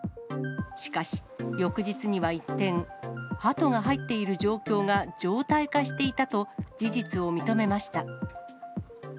しかし、翌日には一転、ハトが入っている状況が常態化していたと、事実を認めました。